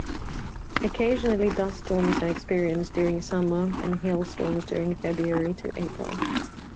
Occasionally, dust-storms are experienced during summer and hail-storms during February to April.